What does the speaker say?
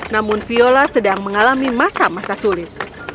namun viola sedang mengalami masa masa sulit